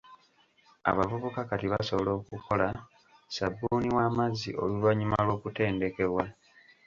Abavubuka kati basobola okukola ssabuuni w'amazzi oluvannyuma lw'okutendekebwa.